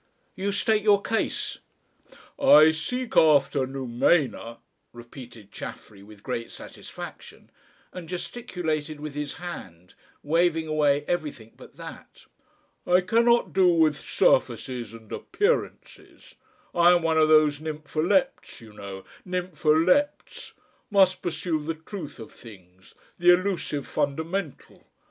"You state your case." "I seek after noumena," repeated Chaffery with great satisfaction, and gesticulated with his hand, waving away everything but that. "I cannot do with surfaces and appearances. I am one of those nympholepts, you know, nympholepts ... Must pursue the truth of things! the elusive fundamental